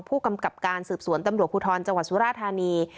ผู้กำกับการสืบสวนตำรวจภูทรจสุราธารณี